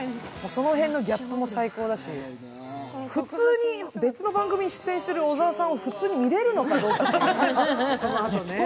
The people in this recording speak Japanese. その辺のギャップも最高だし、普通に別の番組に出演している小澤さんを普通に見れるのかっていうね、このあと。